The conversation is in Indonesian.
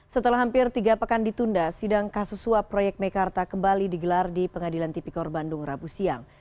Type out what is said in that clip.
setelah hampir tiga pekan ditunda sidang kasus suap proyek mekarta kembali digelar di pengadilan tipikor bandung rabu siang